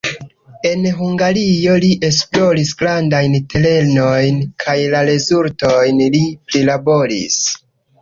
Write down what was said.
En Hungario li esploris grandajn terenojn kaj la rezultojn li prilaboris.